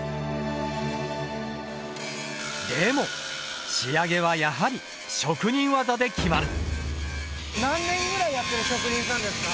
でも仕上げはやはり職人技で決まる。